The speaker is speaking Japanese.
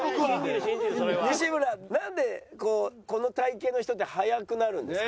西村なんでこの体形の人って速くなるんですか？